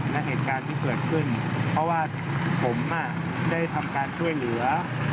และเหตุการณ์ที่เกิดขึ้นเพราะว่าผมได้ทำการช่วยเหลือ